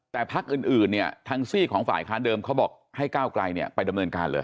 แต่พักอื่นเนี่ยทางซีกของฝ่ายค้านเดิมเขาบอกให้ก้าวไกลเนี่ยไปดำเนินการเลย